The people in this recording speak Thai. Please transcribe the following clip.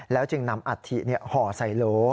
แล้วจึงนำอาธิห่อใส่โล